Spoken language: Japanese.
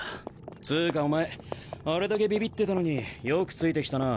つうかお前あれだけビビってたのによくついてきたな。